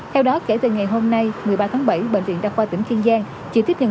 theo đó kể từ ngày hôm nay một mươi ba tháng bảy bệnh viện đặc khoa tỉnh kiên giang chỉ tiếp nhận